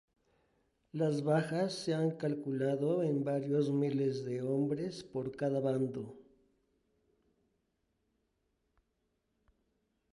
Las bajas se han calculado en varios miles de hombres por cada bando.